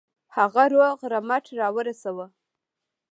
هغه روغ رمټ را ورسوي.